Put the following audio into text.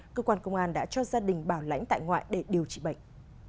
cơ quan công an đã cho gia đình bảo lãnh tại ngoại để điều trị bệnh